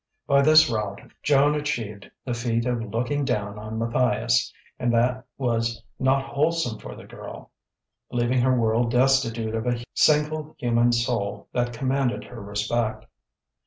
By this route Joan achieved the feat of looking down on Matthias; and that was not wholesome for the girl, leaving her world destitute of a single human soul that commanded her respect.